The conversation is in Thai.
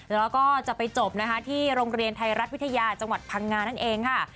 แล้วก็จะไปจบนะคะที่โรงเรียนไทยรัฐวิทยาจังหวัดพังงานั่นเองค่ะ